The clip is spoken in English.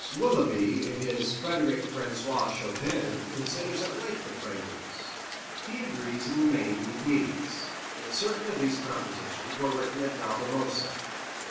Willeby in his "Frederic Francois Chopin" considers at length the Preludes. He agrees in the main with Niecks, that certain of these compositions were written at Valdemosa Nos.